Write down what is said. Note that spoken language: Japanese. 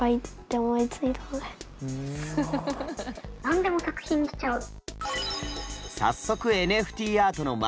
何でも作品にしちゃう。